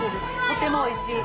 とてもおいしい。